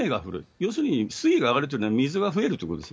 要するに水位が上がるというのは、水が増えるということです。